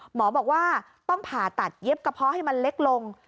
หมอบอกว่าต้องผ่าตัดเย็บกระเพาะให้มันเล็กลง